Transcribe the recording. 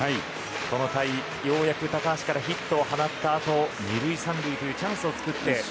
この回ようやく高橋からヒットを放った後２塁３塁というチャンスを作って。